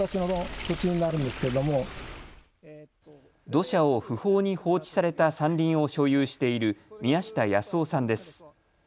土砂を不法に放置された山林を所有している宮下泰男さんです。